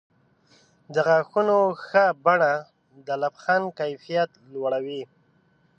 د غاښونو ښه بڼه د لبخند کیفیت لوړوي.